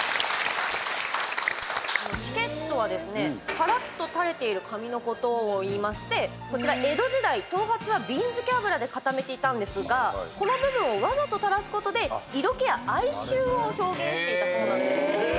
シケとは、ぱらっと垂れている髪のことをいいましてこちら、江戸時代頭髪はびん付け油で固めていたんですがこの部分をわざと垂らすことで色気や哀愁を表現していたそうなんです。